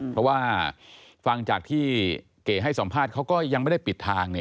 เพราะว่าฟังจากที่เก๋ให้สัมภาษณ์เขาก็ยังไม่ได้ปิดทาง